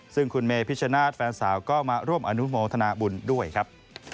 ซึ่งคุณเมพิชนาธิ์แฟนสาวก็มาร่วมอนุโมทนาบุญด้วยครับ